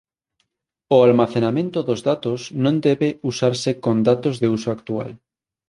O almacenamento dos datos non debe usarse con datos de uso actual.